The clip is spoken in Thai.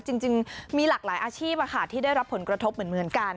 จริงมีหลากหลายอาชีพที่ได้รับผลกระทบเหมือนกัน